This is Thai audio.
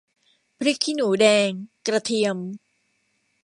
พริกขี้หนูแดง กระเทียม